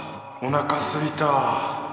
おなかすいたぁ。